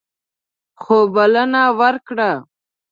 خو بلنه ورکړه.